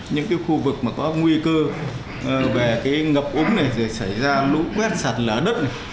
những khu vực có nguy cơ về ngập ống xảy ra lũ quét sạt lở đất